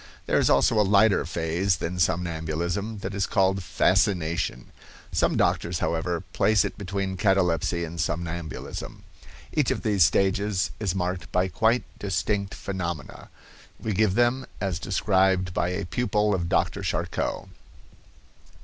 There is also a lighter phase than somnambulism, that is called fascination. Some doctors, however, place it between catalepsy and somnambulism. Each of these stages is marked by quite distinct phenomena. We give them as described by a pupil of Dr. Charcot.